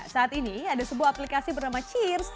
saat ini ada sebuah aplikasi bernama cheers